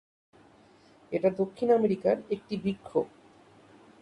এটা দক্ষিণ আমেরিকার একটি বৃক্ষ।